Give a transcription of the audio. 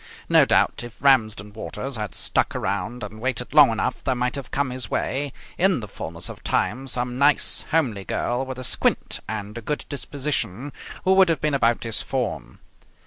No doubt, if Ramsden Waters had stuck around and waited long enough there might have come his way in the fullness of time some nice, homely girl with a squint and a good disposition who would have been about his form.